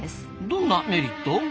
どんなメリット？